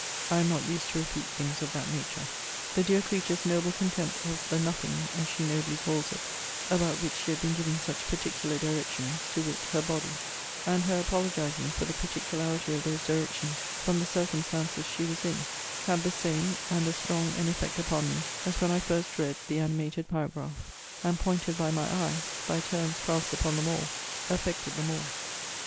I am not used to repeat things of that nature. The dear creature's noble contempt of the nothing, as she nobly calls it, about which she had been giving such particular directions, to wit, her body; and her apologizing for the particularity of those directions from the circumstances she was in had the same, and as strong an effect upon me, as when I first read the animated paragraph; and, pointed by my eye, (by turns cast upon them all,) affected them all.